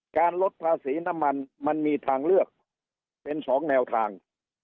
ลดภาษีน้ำมันมันมีทางเลือกเป็น๒แนวทาง